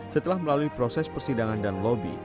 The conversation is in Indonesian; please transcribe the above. setelah melalui proses persidangan dan lobby